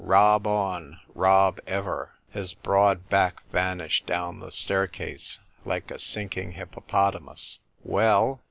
Rob on, rob ever." His broad back vanished down the staircase like a sink ing hippopotamus. " Well